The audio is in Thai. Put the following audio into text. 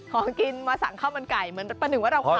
ของกินมาสั่งข้าวมันไก่เหมือนประหนึ่งว่าเราขาย